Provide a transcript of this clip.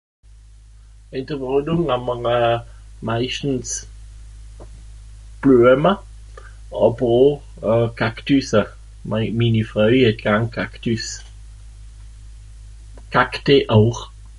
Hitt ìn d'Wohnùng hà'mr euh... Meischtens Blüama, (...) euh... Kaktüs. Waje ...Mini Froei het gern Kaktüs. Kaktee auch.